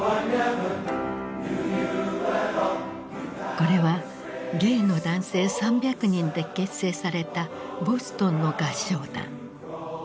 これはゲイの男性３００人で結成されたボストンの合唱団。